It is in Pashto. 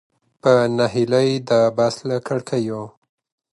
په نهیلۍ د بس له کړکیو.